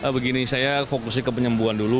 begini saya fokusnya ke penyembuhan dulu